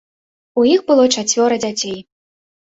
У іх было чацвёра дзяцей.